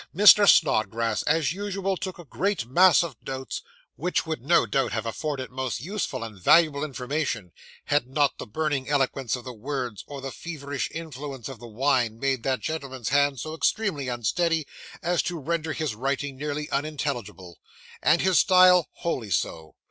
Mr. Snodgrass, as usual, took a great mass of notes, which would no doubt have afforded most useful and valuable information, had not the burning eloquence of the words or the feverish influence of the wine made that gentleman's hand so extremely unsteady, as to render his writing nearly unintelligible, and his style wholly so.